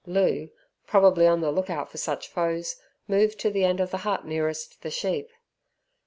Loo, probably on the look out for such foes, moved to the end of the hut nearest the sheep.